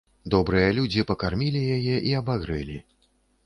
Добрыя людзі пакармілі яе і абагрэлі.